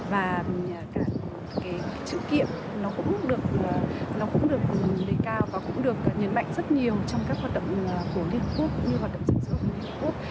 và cái chữ kiệm nó cũng được lấy cao và cũng được nhấn mạnh rất nhiều trong các hoạt động của liên hợp quốc